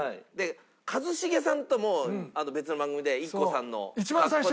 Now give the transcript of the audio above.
一茂さんとも別の番組でＩＫＫＯさんの格好で。